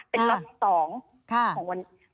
เป็นล็อต๒ของวันนี้